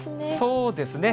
そうですね。